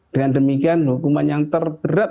dengan demikian hukuman yang terberat